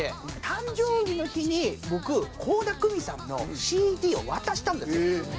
誕生日の日に僕倖田來未さんのＣＤを渡したんですよ。